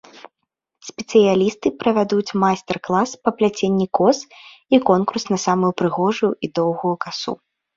Спецыялісты правядуць майстар-клас па пляценні кос і конкурс на самую прыгожую і доўгую касу.